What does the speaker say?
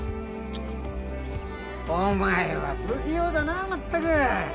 お前は不器用だな全く。